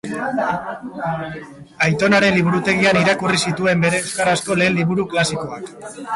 Aitonaren liburutegian irakurri zituen bere euskarazko lehen liburu klasikoak.